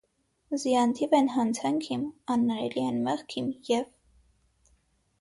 զի անթիվ են հանցանք իմ, աններելի են մեղք իմ և…